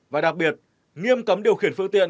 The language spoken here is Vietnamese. và đặc biệt nghiêm cấm điều khiển phương tiện